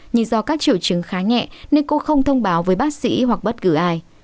nhưng do các triệu chứng khá nhẹ nên cô không thông báo với bác sĩ hoặc bất cứ ai